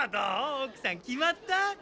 おくさん決まった？